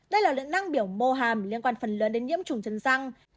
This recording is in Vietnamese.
đây là loại năng biểu mô hàm liên quan phần lớn đến nhiễm chủng chân răng